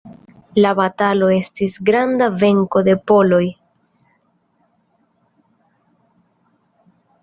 La batalo estis granda venko de poloj.